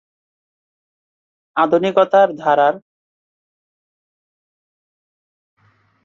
আধুনিকতার ধারণা এই সকল ঘটনার সাধারণ অর্থ ব্যাখ্যা করে এবং সেগুলোর প্রধান প্রধান ফলাফলের ব্যাখ্যা করার চেষ্টা করে।